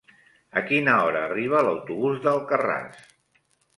A quina hora arriba l'autobús d'Alcarràs?